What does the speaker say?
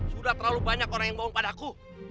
sudah terlalu banyak orang yang bohong padaku